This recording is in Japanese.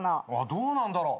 どうなんだろう。